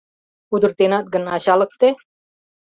Пудыртенат гын, ачалыкте!